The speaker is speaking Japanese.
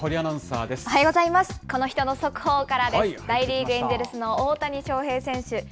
大リーグ・エンジェルスの大谷翔平選手。